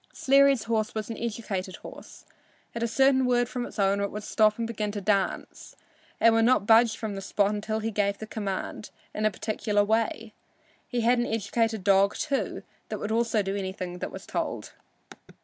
Sleary's horse was an educated horse. At a certain word from its owner it would stop and begin to dance, and would not budge from the spot till he gave the command in a particular way. He had an educated dog, also, that would do anything it was told.